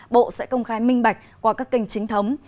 bộ sẽ công khai minh bạch qua các kênh chính thống